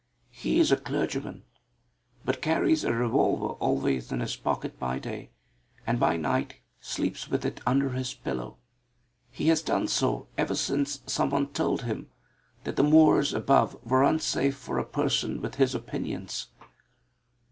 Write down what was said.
He is a clergyman, but carries a revolver always in his pocket by day, and by night sleeps with it under his pillow. He has done so ever since some one told him that the moors above were unsafe for a person with his opinions.